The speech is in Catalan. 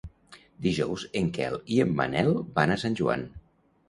Dijous en Quel i en Manel van a Sant Joan.